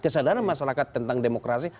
kesadaran masyarakat tentang demokrasi